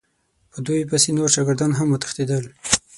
په دوی پسې نور شاګردان هم وتښتېدل.